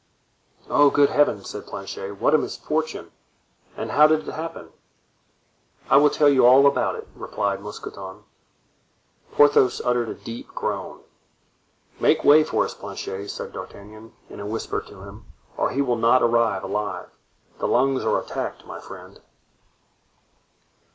"Oh! good Heaven," said Planchet, "what a misfortune! and how did it happen?" "I will tell you all about it," replied Mousqueton. Porthos uttered a deep groan. "Make way for us, Planchet," said D'Artagnan in a whisper to him, "or he will not arrive alive; the lungs are attacked, my friend."